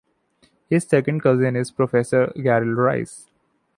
His second cousin is Professor Garel Rhys.